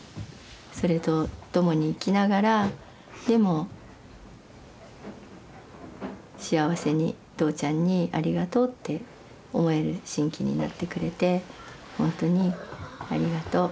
それとともに生きながらでも幸せに父ちゃんにありがとうって思える真気になってくれてほんとにありがとう。